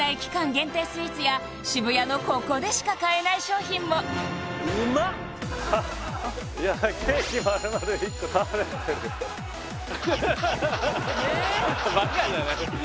限定スイーツや渋谷のここでしか買えない商品もケーキ丸々１個食べてるバカじゃない？